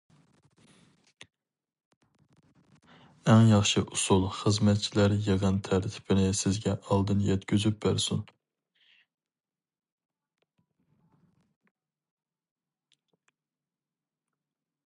ئەڭ ياخشى ئۇسۇل خىزمەتچىلەر يىغىن تەرتىپىنى سىزگە ئالدىن يەتكۈزۈپ بەرسۇن.